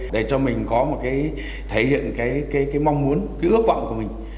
để cho mình có thể hiện mong muốn ước vọng của mình